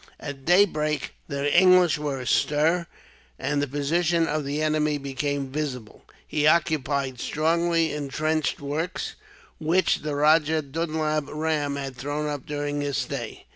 At daybreak the English were astir, and the position of the enemy became visible. He occupied strongly intrenched works, which the Rajah Dulab Ram had thrown up during his stay.